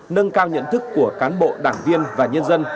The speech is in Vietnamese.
nâng cao nhận thức của cán bộ đảng viên và nhân dân